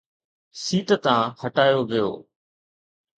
set تان هٽايو ويو